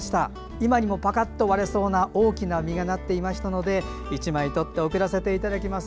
今にもパカッと割れそうな大きな実がなっていましたので１枚撮って送らせていただきます。